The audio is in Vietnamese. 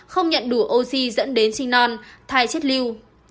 không nhận đủ oxy dẫn đến sinh non thai chết lưu